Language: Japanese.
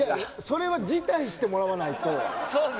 それは辞退してもらわないと。